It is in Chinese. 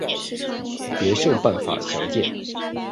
决胜办法详见。